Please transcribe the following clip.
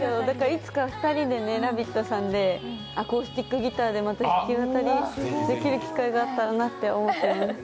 いつか「ラヴィット！」さんでアコースティックギターでまた弾き語り出来る機会があったらなって思ってます。